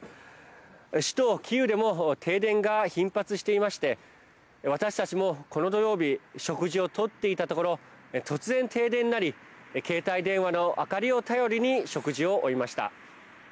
首都キーウでも停電が頻発していまして私たちも、この土曜日食事を取っていたところ突然停電になり携帯電話の明かりを頼りに食事を終えました。